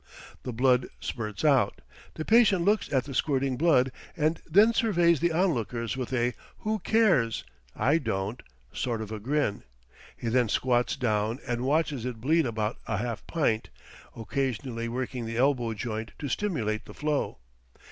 The blood spurts out, the patient looks at the squirting blood, and then surveys the onlookers with a "who cares? I don't" sort of a grin. He then squats down and watches it bleed about a half pint, occasionally working the elbow joint to stimulate the flow.